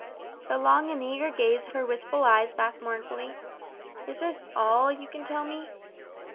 The long eager gaze of her wistful eyes asked mournfully, "Is this all you can tell me?"